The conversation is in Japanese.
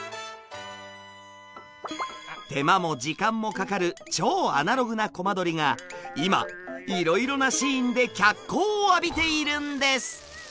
手間も時間もかかる超アナログなコマ撮りが今いろいろなシーンで脚光を浴びているんです！